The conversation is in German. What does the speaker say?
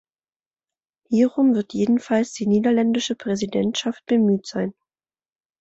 Hierum wird jedenfalls die niederländische Präsidentschaft bemüht sein.